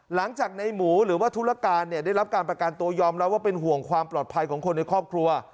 หลังจากในหมูหรือว่าธุรการเนี่ยได้รับการประกันตัวยอมรับว่าเป็นห่วงความปลอดภัยของคนในครอบครัว